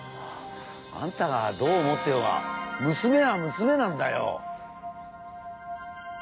あんたがどう思ってようが娘は娘なんだよ。